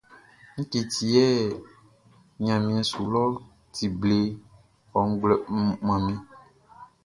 Ngue ti yɛ ɲanmiɛn su lɔʼn ti ble ɔ, manmi?